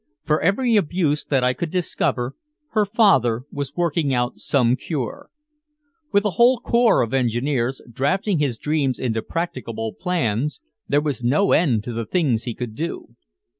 For every abuse that I could discover her father was working out some cure. With a whole corps of engineers drafting his dreams into practicable plans, there was no end to the things he could do.